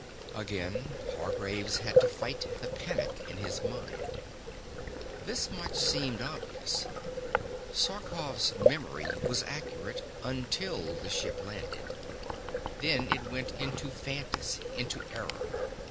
Again Hargraves had to fight the panic in his mind. This much seemed obvious. Sarkoff's memory was accurate until the ship landed. Then it went into fantasy, into error.